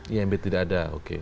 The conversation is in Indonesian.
imb tidak ada oke